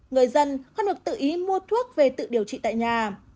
người dân không được tự ý mua thuốc về tự điều trị tại nhà